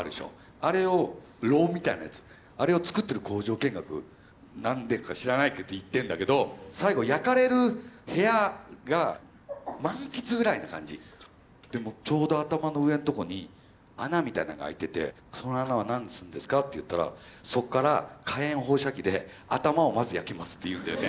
あれを炉みたいなやつあれを造ってる工場見学なんでか知らないけど行ってんだけど最後焼かれる部屋が「漫喫」ぐらいな感じでもうちょうど頭の上のとこに穴みたいなのがあいててその穴は何するんですかって言ったらそこから火炎放射器で頭をまず焼きますって言うんだよね。